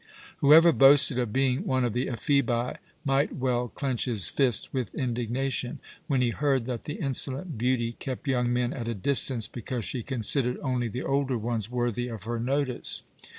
Whoever boasted of being one of the Ephebi might well clench his fist with indignation, when he heard that the insolent beauty kept young men at a distance because she considered only the older ones worthy of her notice.